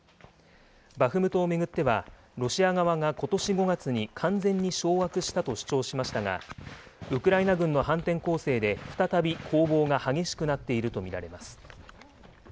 バフムトを巡っては、ロシア側がことし５月に完全に掌握したと主張しましたが、ウクライナ軍の反転攻勢で再び攻防が激しくなっていると見られます。